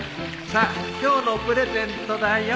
さあ今日のプレゼントだよ